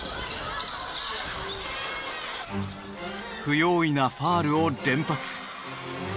不用意なファウルを連発。